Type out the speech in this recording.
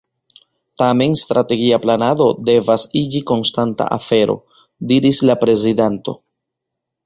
Tamen strategia planado devas iĝi konstanta afero, diris la prezidanto.